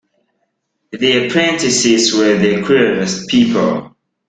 The apprentices were the queerest people.